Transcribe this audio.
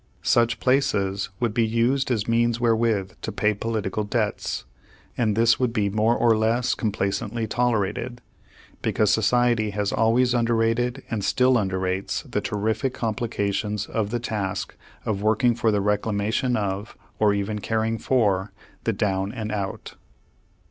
Such places would be used as means wherewith to pay political debts, and this would be more or less complacently tolerated, because society has always underrated and still underrates the terrific complications of the task of working for the reclamation of, or even caring for, the down and out.